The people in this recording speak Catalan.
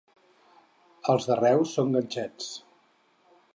Els de Reus són ganxets.